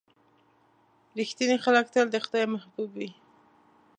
• رښتیني خلک تل د خدای محبوب وي.